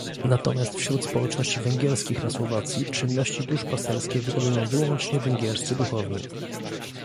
Natomiast wśród społeczności węgierskich na Słowacji czynności duszpasterskie wykonują wyłącznie węgierscy duchowni